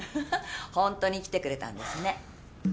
ほんとに来てくれたんですね。